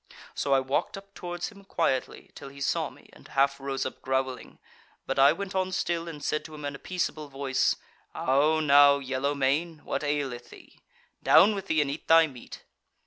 "So I walked up towards him quietly, till he saw me and half rose up growling; but I went on still, and said to him in a peaceable voice: 'How now, yellow mane! what aileth thee? down with thee, and eat thy meat.'